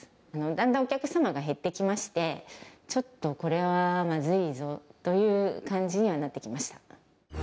だんだんお客様が減ってきまして、ちょっとこれはまずいぞという感じにはなってきました。